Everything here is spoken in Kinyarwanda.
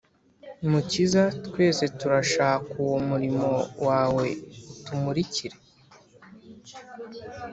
Mukiza, Twese turashak’ uwo muriro wawe utumurikire